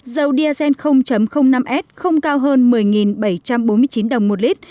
dầu diazen năm s không cao hơn một mươi bảy trăm bốn mươi chín đồng một lít